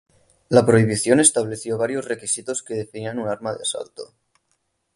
La prohibición estableció varios requisitos que definían un arma de asalto.